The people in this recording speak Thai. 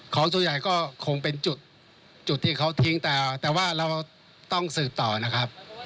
ของส่วนใหญ่ก็คงเป็นจุดที่เขาทิ้งแต่ว่าเราต้องสืบต่อนะครับ